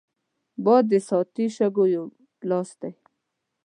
باد د ساعتي شګو یو لاس دی